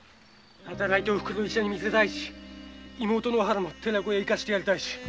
働いてお袋を医者に診せたいし妹も寺子屋に行かせてやりたいし。